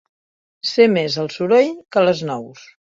Ser més el soroll que les nous.